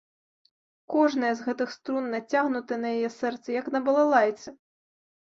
Кожная з гэтых струн нацягнута на яе сэрцы, як на балалайцы.